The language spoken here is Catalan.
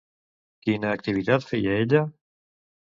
Quina activitat feia ella?